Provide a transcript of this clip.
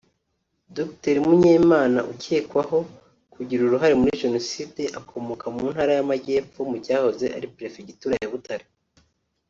Dr Munyemana ukekwaho kugira uruhare muri jenoside akomoka mu ntara y’amajyepfo mu cyahoze ari perefegitura ya Butare